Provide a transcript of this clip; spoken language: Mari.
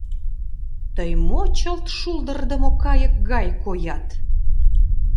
Тый мо, чылт шулдырдымо кайык гай коят?